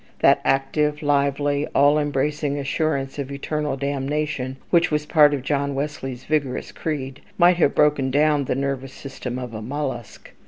That active, lively, all embracing assurance of eternal damnation, which was part of John Wesley's vigorous creed, might have broken down the nervous system of a mollusk.